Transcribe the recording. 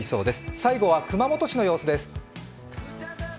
最後は熊本市の様子です。